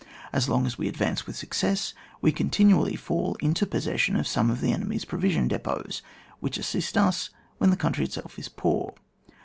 As long as we advance with success, we continually fall into possession of some of the enemy's provision depots, which assist UB when the country itself is poor.